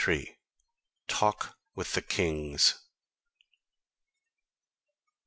LXIII. TALK WITH THE KINGS.